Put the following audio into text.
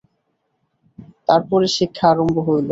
তার পরে শিক্ষা আরম্ভ হইল।